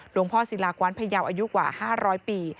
พ่อศิลากว้านพยาวอายุกว่า๕๐๐ปี